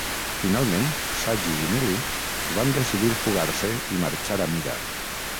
Finalment, Sagi i Milly van decidir fugar-se i marxar a Mira.